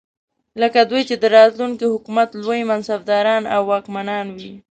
لکه دوی چې د راتلونکي حکومت لوی منصبداران او واکمنان وي.